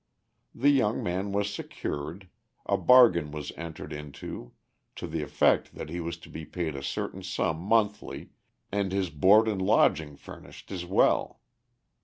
The young man was secured, a bargain was entered into to the effect that he was to be paid a certain sum monthly and his board and lodging furnished as well.